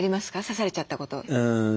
刺されちゃったこと。